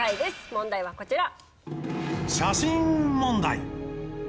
問題はこちら。